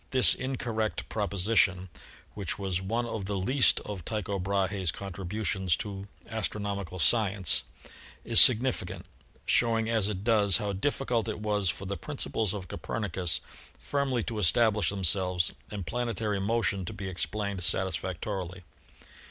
This incorrect proposition, which Tycho's System of the World. the Comet of I577 ) (From his book on was one of the least of Tycho Brahe's contributions to astronomical science, is significant, showing as it does how difficult it was for the principles of Copernicus firmly to establish themselves and planetary motion to be explained satisfactorily.